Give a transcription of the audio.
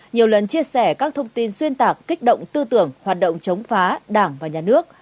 nhiều lần chia sẻ các thông tin xuyên tạc kích động tư tưởng hoạt động chống phá đảng và nhà nước